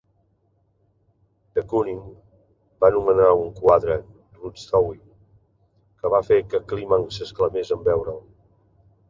De Kooning va anomenar un quadre, "Ruth's Zowie", que va fer que Kligman s'exclamés en veure'l.